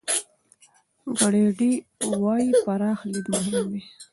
ګرېډي وايي، پراخ لید مهم دی.